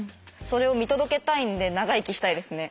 それを見届けたいんで長生きしたいですね。